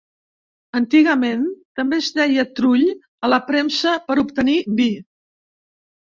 Antigament també es deia trull a la premsa per obtenir vi.